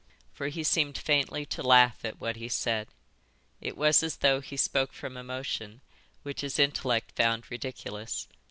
For he seemed faintly to laugh at what he said. It was as though he spoke from emotion which his intellect found ridiculous.